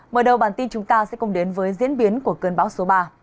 mở đầu bản tin chúng ta sẽ cùng đến với diễn biến của cơn bão số ba